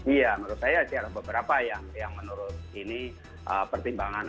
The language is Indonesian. iya menurut saya sih ada beberapa yang menurut ini pertimbangan